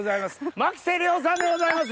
牧瀬里穂さんでございます